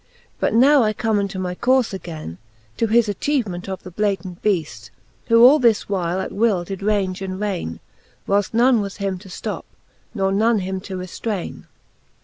But now I come into my courfe againe. To his atchievement of the Blatant Beajl ; Who all this while at will did range and raine, Whilft none was him to flop, nor none him to reftraine.